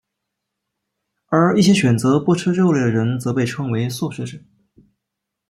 而一些选择不吃肉类的人则被称为素食者。